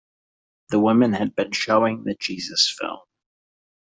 The women had been showing the Jesus film.